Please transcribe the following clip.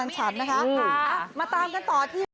ช่วงโควิดที่เขายังไม่ให้ตีหม้อแล้วนะมันทำไงอ่ะ